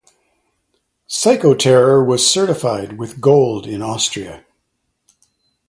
"Psychoterror" was certified with Gold in Austria.